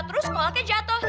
terus kolaknya jatuh